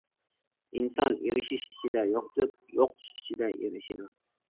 ئىنسان ئېرىشىش ئىچىدە يوقىتىپ يوقىتىش ئىچىدە ئېرىشىدۇ.